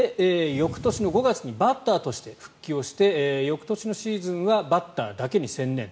翌年の５月にバッターとして復帰をして、翌年のシーズンはバッターだけに専念。